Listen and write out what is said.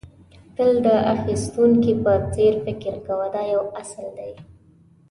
تل د اخيستونکي په څېر فکر کوه دا یو اصل دی.